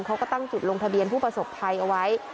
เขาก็ตั้งจุดลงทะเบียนผู้ประสบภัยเอาไว้